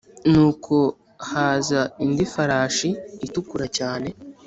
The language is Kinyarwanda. Nuko haza indi farashi itukura cyane,